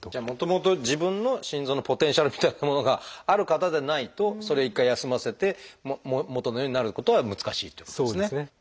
もともと自分の心臓のポテンシャルみたいなものがある方でないとそれ一回休ませて元のようになることは難しいということですね。